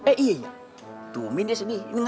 eh iya iya tumin dia sedih